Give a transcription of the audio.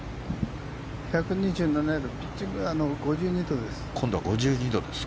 １２７ヤードピッチング５２度です。